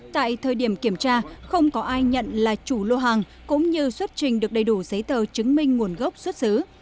tại thời điểm kiểm tra không có ai nhận là chủ lô hàng cũng như xuất trình được đầy đủ giấy tờ chứng minh nguồn gốc xuất xứ